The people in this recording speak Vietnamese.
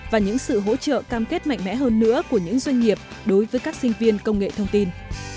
và những sự hỗ trợ cam kết mạnh mẽ hơn nữa của những doanh nghiệp đối với các sinh viên công nghệ thông tin